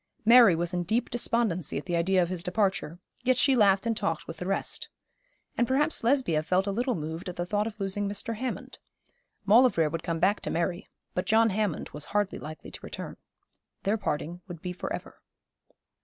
Mary was in deep despondency at the idea of his departure, yet she laughed and talked with the rest. And perhaps Lesbia felt a little moved at the thought of losing Mr. Hammond. Maulevrier would come back to Mary, but John Hammond was hardly likely to return. Their parting would be for ever.